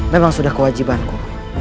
memang sudah kewajibanku